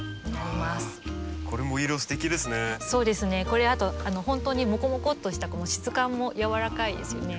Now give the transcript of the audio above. これあと本当にもこもこっとした質感も柔らかいですよね。